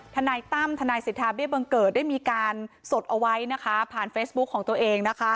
ธนายตั้มธนายศิษยาเบียบังเกิดได้มีการสดเอาไว้ผ่านเฟซบุ๊คของตัวเอง